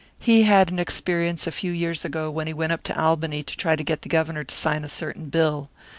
He had an experience a few years ago, when he went up to Albany to try to get the Governor to sign a certain bill.